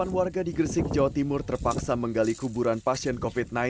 delapan warga di gresik jawa timur terpaksa menggali kuburan pasien covid sembilan belas